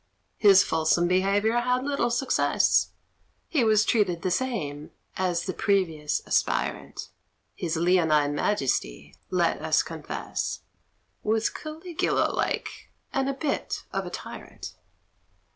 His fulsome behaviour had little success; He was treated the same as the previous aspirant (His Leonine Majesty, let us confess, Was Caligula like, and a bit of a tyrant).